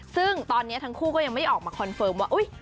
ซึ่งตอนนี้ทั้งคู่ก็ยังไม่ได้ออกมาคอนเฟิร์มว่า